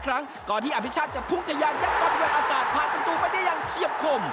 ทรงประตูไม่ได้ยังเชี่ยบข้ม